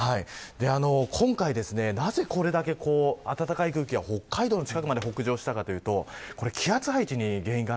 今回、なぜこれだけ暖かい空気が北海道の近くまで北上したかというと気圧配置です。